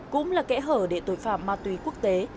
cũng là kẽ hở để tội phạm ma túy quốc tế